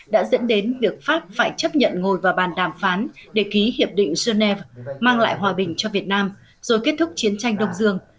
đã dẫn đến việc pháp phải chấp nhận ngồi vào bàn đàm phán để ký hiệp định genève mang lại hòa bình cho việt nam rồi kết thúc chiến tranh đông dương